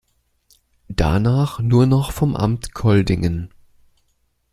Danach nur noch vom Amt Koldingen.